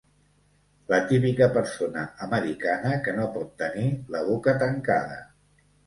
La típica persona americana que no pot tenir la boca tancada.